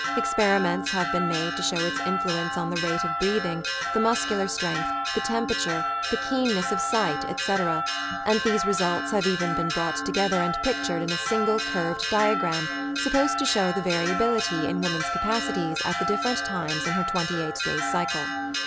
Experiments have been made to show its influence on the rate of breathing, the muscular strength, the temperature, the keenness of sight, etc., and these results have even been brought together and pictured in a single curved diagram sup posed to show the variability in woman's capacities at the different times in her twenty eight day cycle.